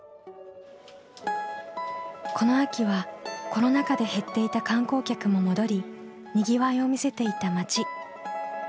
この秋はコロナ禍で減っていた観光客も戻りにぎわいを見せていた町。